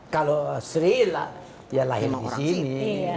kalau sri lah ya lahir di sini